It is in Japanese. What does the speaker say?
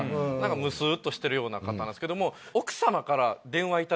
ムスっとしてるような方なんですけども。